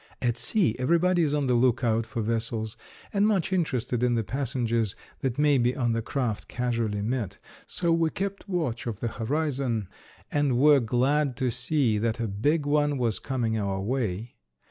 At sea everybody is on the lookout for vessels and much interested in the passengers that may be on the craft casually met. So we kept watch of the horizon and were glad to see that a big one was coming our way.